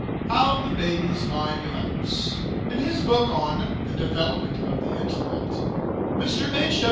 HOW THE BABY'S MIND DEVELOPS. In his book on "The Development of the Intellect," Mr. H.